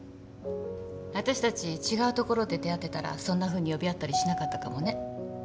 わたしたち違うところで出会ってたらそんなふうに呼び合ったりしなかったかもね。